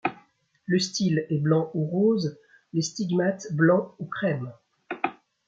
Le style est blanc ou rose, les stigmates blancs ou crèmes.